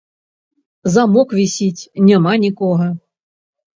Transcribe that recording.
Замок вісіць, няма нікога.